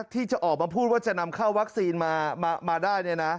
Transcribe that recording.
ที่จะออกมาพูดว่าจะนำเข้าวัคซีนมาได้